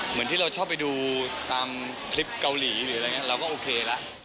เหมือนที่เราชอบไปดูตามคลิปเกาหลีหรืออะไรอย่างนี้เราก็โอเคละ